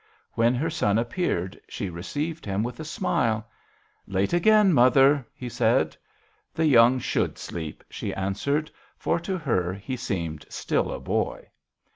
When her son appeared she received him with a smile. " Late again, mother," he said. " The young should sleep," she answered, for to her he seemed still a boy.